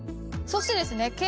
そしてですね